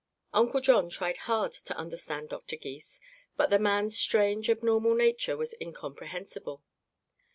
Uncle John tried hard to understand Doctor Gys, but the man's strange, abnormal nature was incomprehensible.